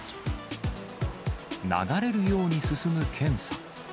流れるように進む検査。